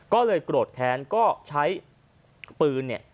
ก็เลยโกรธแค้นก็ใช้ปืนเนี่ย